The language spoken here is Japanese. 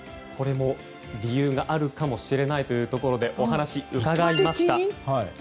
これも理由があるかもしれないということでお話、伺いました。